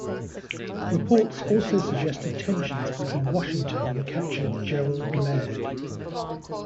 Reports also suggested tensions between Washington and catcher Gerald Laird.